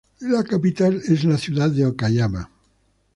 La capital es la ciudad de Okayama.